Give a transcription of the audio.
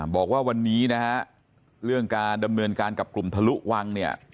บอกว่าวันนี้นะฮะเรื่องการดำเนินการกับกลุ่มทะลุวังเนี่ย